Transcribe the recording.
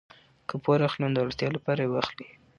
که پور اخلئ نو د اړتیا لپاره یې واخلئ.